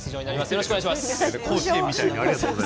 よろしくお願いします。